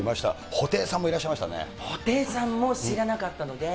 布袋さんも知らなかったので。